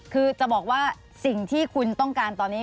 คือจะบอกว่าสิ่งที่คุณต้องการตอนนี้